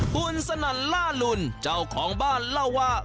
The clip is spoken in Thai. คุณสนั่นล่าลุนเจ้าของบ้านเล่าว่า